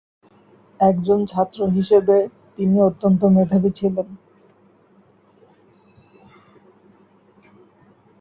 একজন ছাত্র হিসাবে তিনি অত্যন্ত মেধাবী ছিলেন।